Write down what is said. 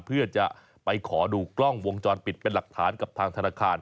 เพื่อจะไปขอดูกล้องวงจรปิดเป็นหลักฐานกับทางธนาคาร